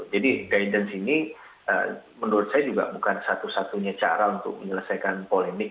jadi guidance ini menurut saya juga bukan satu satunya cara untuk menyelesaikan polemik